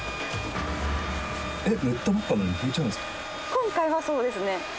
今回はそうですね。